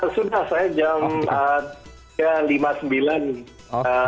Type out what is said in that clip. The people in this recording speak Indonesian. sudah saya jam tiga lima puluh sembilan